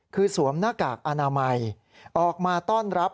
คือสวมหน้ากากอนามัยออกมาต้อนรับ